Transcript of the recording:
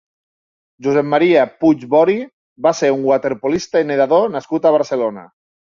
Josep Maria Puig Bori va ser un waterpolista i nedador nascut a Barcelona.